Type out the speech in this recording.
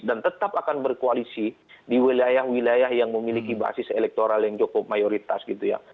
dan tetap akan berkoalisi di wilayah wilayah yang memiliki basis elektoral yang cukup mayoritas gitu ya